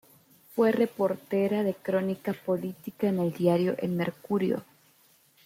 Fue reportera de crónica política en el diario El Mercurio.